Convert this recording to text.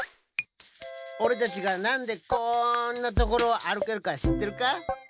おれたちがなんでこんなところあるけるかしってるか？